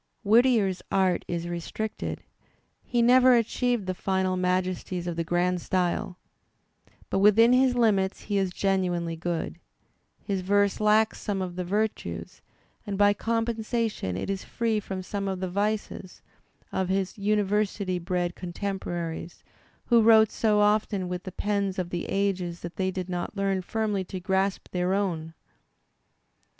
Whittier's art is restricted. He never achieved the final majesties of the grand style. But within his limits he is genuinely good. His verse lacks some of the virtues, and by compensation it is free from some of the vices, of his uni versity bred contemporaries, who wrote so often with the pens of the ages that they did not learn firmly to grasp their own.